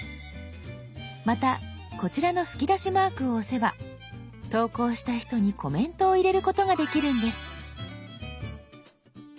またこちらの吹き出しマークを押せば投稿した人にコメントを入れることができるんです。